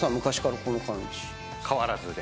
変わらずで。